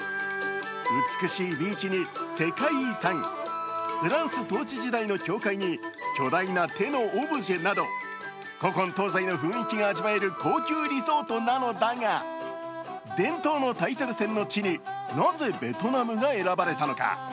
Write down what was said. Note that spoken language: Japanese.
美しいビーチに世界遺産、フランス統治時代の教会に巨大な手のオブジェなど古今東西の雰囲気が味わえる高級リゾートなのだが伝統のタイトル戦の地になぜベトナムが選ばれたのか。